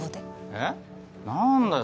えっ何だよ